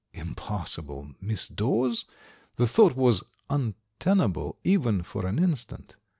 Impossible. Miss Dawes? The thought was untenable even for an instant.